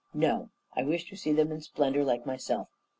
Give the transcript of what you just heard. No. I wish to see them in splendour like myself.